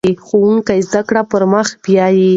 ښوونکی زده کړه پر مخ بیايي.